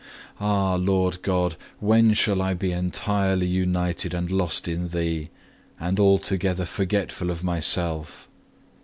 Ah, Lord God, when shall I be entirely united and lost in Thee, and altogether forgetful of myself?